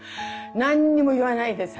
何にも言わないでさ。